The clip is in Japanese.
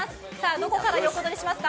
どこから横取りしますか。